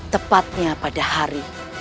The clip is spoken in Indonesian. tepatnya pada hari